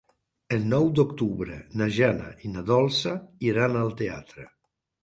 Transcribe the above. El nou d'octubre na Jana i na Dolça iran al teatre.